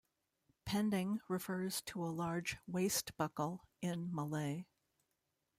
Pending refers to a large "waist buckle" in Malay.